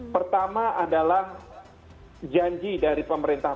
pertama adalah janji dari pemerintah